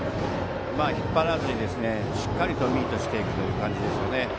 引っ張らずにしっかりとミートしていく感じですね。